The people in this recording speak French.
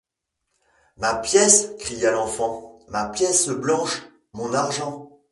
Ma pièce! cria l’enfant, ma pièce blanche ! mon argent !